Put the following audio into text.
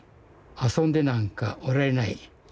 遊んでなんかおられない。